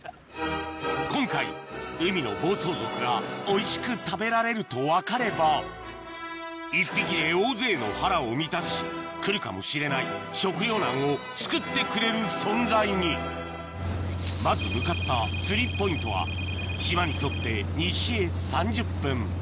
今回海の暴走族がおいしく食べられると分かれば１匹で大勢の腹を満たし来るかもしれない食糧難を救ってくれる存在にまず向かった釣りポイントは島に沿って西へ３０分